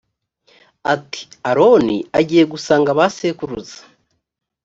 ati aroni agiye gusanga ba sekuruza